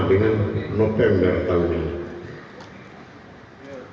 dengan november tahun ini